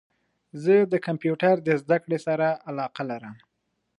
زه د کمپیوټرد زده کړي سره علاقه لرم